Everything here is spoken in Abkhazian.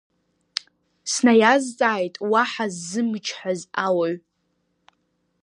Снаиазҵааит уаҳа ззымычҳаз ауаҩ.